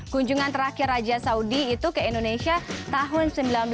kunjungan terakhir raja saudi itu ke indonesia tahun seribu sembilan ratus sembilan puluh